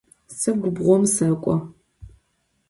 Se gubğom sek'o.